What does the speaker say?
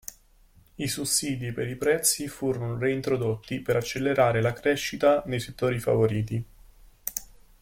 I sussidi per i prezzi furono reintrodotti per accelerare la crescita nei settori favoriti.